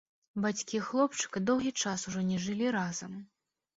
Бацькі хлопчыка доўгі час ужо не жылі разам.